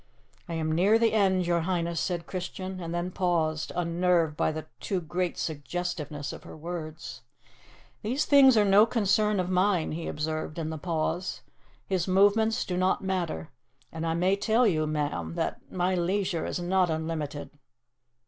"I am near the end, your Highness," said Christian, and then paused, unnerved by the too great suggestiveness of her words. "These things are no concern of mine," he observed in the pause; "his movements do not matter. And I may tell you, ma'am, that my leisure is not unlimited."